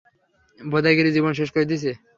ভোঁদাইগিরি জীবন শেষ করে দিছে।